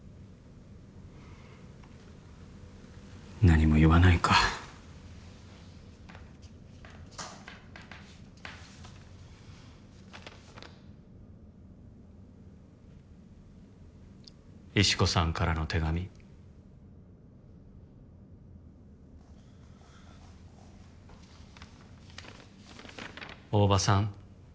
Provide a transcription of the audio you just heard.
何も言わないか石子さんからの手紙「大庭さん